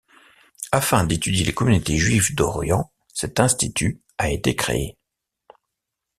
Afin d'étudier les communautés juives d'Orient, cet institut a été créé.